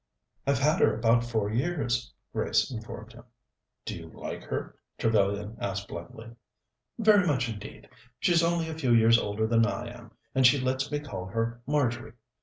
"I've had her about four years," Grace informed him. "Do you like her?" Trevellyan asked bluntly. "Very much indeed. She's only a few years older than I am, and she lets me call her Marjory.